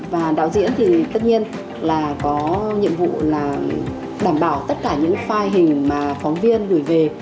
và đạo diễn thì tất nhiên là có nhiệm vụ là đảm bảo tất cả những file hình mà phóng viên gửi về